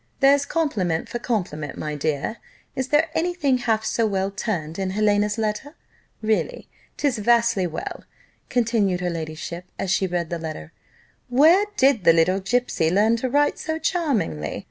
There's compliment for compliment, my dear. Is there any thing half so well turned in Helena's letter? Really, 'tis vastly well," continued her ladyship, as she read the letter: "where did the little gipsy learn to write so charmingly?